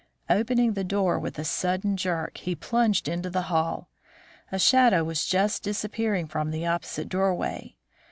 Opening the door with a sudden jerk, he plunged into the hall. A shadow was just disappearing from the opposite doorway.